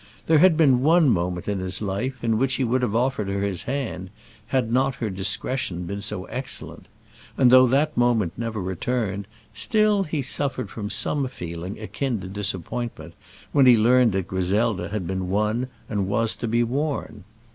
There had been one moment in his life in which he would have offered her his hand, had not her discretion been so excellent; and though that moment never returned, still he suffered from some feeling akin to disappointment when he learned that Griselda had been won and was to be worn.